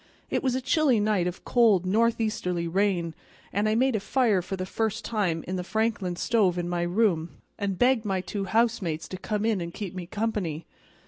It was a chilly night of cold northeasterly rain, and I made a fire for the first time in the Franklin stove in my room, and begged my two housemates to come in and keep me company.